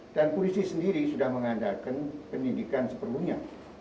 dan polisi sendiri sudah mengadakan pendidikan seperhunya